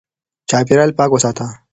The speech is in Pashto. چاپېريال پاک وساته